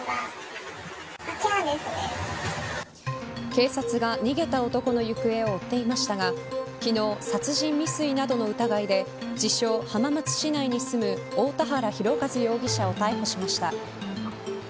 警察が逃げた男の行方を追っていましたが昨日、殺人未遂などの疑いで自称、浜松市内に住む大田原広和容疑者を逮捕しました。